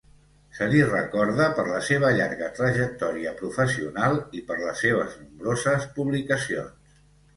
Se li recorda per la seva llarga trajectòria professional i per les seves nombroses publicacions.